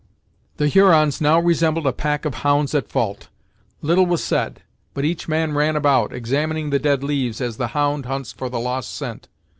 The Hurons now resembled a pack of hounds at fault. Little was said, but each man ran about, examining the dead leaves as the hound hunts for the lost scent.